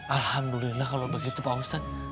alhamdulillah kalau begitu pak ustadz